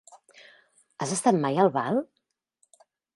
Has estat mai a Albal?